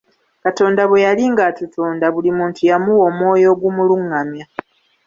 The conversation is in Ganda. Katonda bwe yali ng'atutonda buli muntu yamuwa omwoyo ogumulungamya.